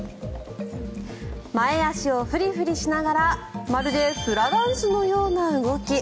前足をフリフリしながらまるでフラダンスのような動き。